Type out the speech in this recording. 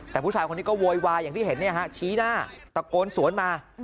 แต่ผู้ชายคนนี้ก็โวยวายอย่างที่เห็นชี้หน้าตะโกนสวนมา